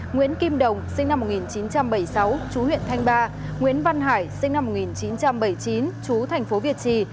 nguyễn kim đồng sinh năm một nghìn chín trăm bảy mươi sáu chú huyện thanh ba nguyễn văn hải sinh năm một nghìn chín trăm bảy mươi chín chú thành phố việt trì